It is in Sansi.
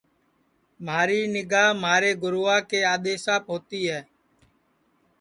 مہاری نیگھا مہارے گَروا کے آدؔیساپ ہوتی ہے